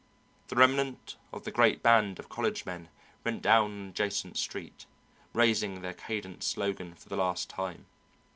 The remnant of the great band of college men went down an adjacent street, raising their cadenced slogan for the last time.